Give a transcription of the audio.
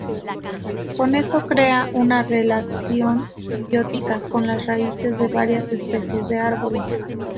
Con eso crea una relación simbiótica con las raíces de varias especies de árboles.